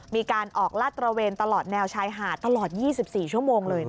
มีการออกลาดตระเวนตลอดแนวชายหาดตลอด๒๔ชั่วโมงเลย